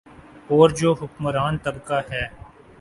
اورجو حکمران طبقہ ہے۔